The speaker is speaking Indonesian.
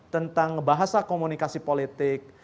tentang bahasa komunikasi politik